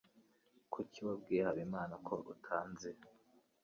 Kuki wabwiye Habimana ko utanzi?